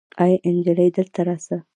آې انجلۍ دلته راسه